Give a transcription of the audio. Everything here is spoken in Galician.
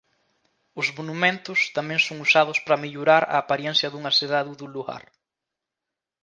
O monumentos tamén son usados para mellorar a aparencia dunha cidade ou dun lugar.